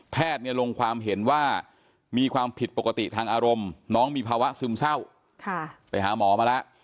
ลงความเห็นว่ามีความผิดปกติทางอารมณ์น้องมีภาวะซึมเศร้าไปหาหมอมาแล้ว